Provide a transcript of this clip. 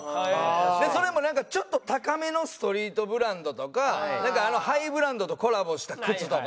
それもちょっと高めのストリートブランドとかハイブランドとコラボした靴とか。